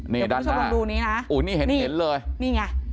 นี่ด้านหน้าเดี๋ยวคุณผู้ชมลองดูนี้น่ะอู๋นี่เห็นเห็นเลยนี่ไง